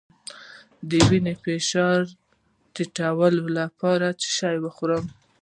د وینې فشار ټیټولو لپاره څه شی وخورم؟